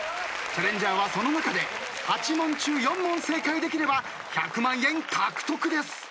チャレンジャーはその中で８問中４問正解できれば１００万円獲得です。